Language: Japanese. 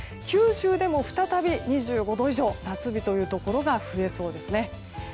九州でも再び２５度以上夏日というところが増えそうですね。